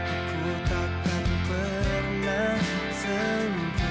aku takkan pernah sempurna